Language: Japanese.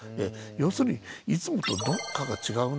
要するにいつもとどっかが違うなぁと。